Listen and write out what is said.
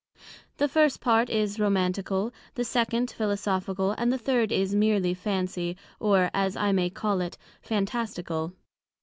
The First Part is Romancical; the Second, Philosophical; and the Third is meerly Fancy; or (as I may call it) Fantastical.